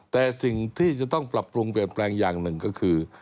แต่สิ่งที่จะต้องปรับปรุงเปลี่ยนแปลงอย่างหนึ่งก็คือ